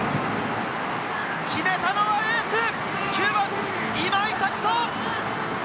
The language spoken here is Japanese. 決めたのはエース、９番・今井拓人！